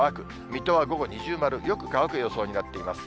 水戸は午後二重丸、よく乾く予想になっています。